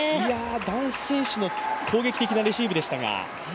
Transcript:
男子選手の攻撃的なレシーブでしたが。